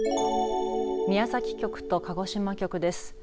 宮崎局と鹿児島局です。